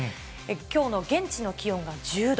きょうの現地の気温が１０度。